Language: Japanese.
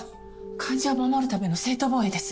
患者を守るための正当防衛です。